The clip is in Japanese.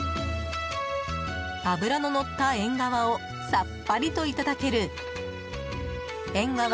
脂ののったエンガワをさっぱりといただけるえんがわ